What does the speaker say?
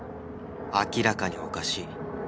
明らかにおかしい